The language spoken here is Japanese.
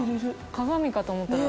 鏡かと思ったら。